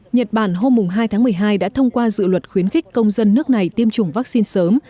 nhật bản hôm hai tháng một mươi hai đã thông qua dự luật khuyến khích công dân nước này tiêm chủng vaccine sớm